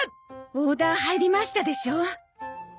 オーダー入りましたでしょ？